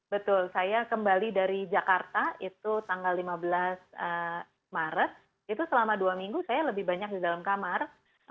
betul saya kembali dari jakarta itu tanggal lima belas maret itu selama dua minggu saya lebih banyak di dalam kamar